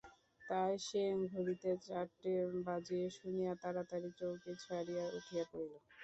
তাই সে ঘড়িতে চারটে বাজিতে শুনিয়া তাড়াতাড়ি চৌকি ছাড়িয়া উঠিয়া পড়িল।